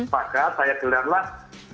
maka saya gelarlah